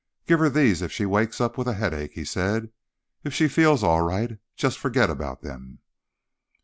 "Give her these if she wakes up with a headache," he said. "If she feels all right, just forget all about them."